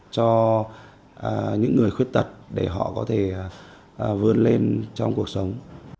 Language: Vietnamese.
cho những người khuyết tật để họ có thể vươn lên trong cuộc sống